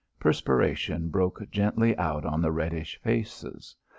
Perspiration broke gently out on the reddish faces.